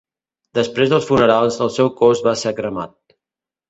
Després dels funerals, el seu cos va ser cremat.